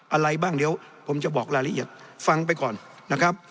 อะไรบ้างเดี๋ยวผมจะบอกรายละเอียดฟังไปก่อนนะครับ